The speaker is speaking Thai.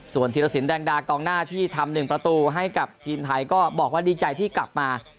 ส่วนธีรสินแดงดากองหน้าที่ทำ๑ประตูให้กับทีมไทยก็บอกว่าดีใจที่กลับมา